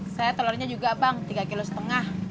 saya telurnya juga bang tiga kilo setengah